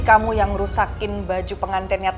kamu fifa mau n ikut darkweotekiniert